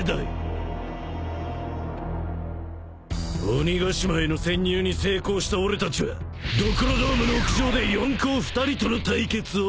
［鬼ヶ島への潜入に成功した俺たちはドクロドームの屋上で四皇２人との対決を始めた］